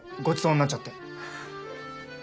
ごちそうになっちゃって。